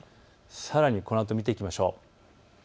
さらにこのあと見ていきましょう。